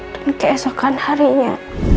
dan keesokan harinya